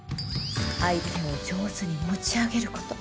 相手を上手に持ち上げること。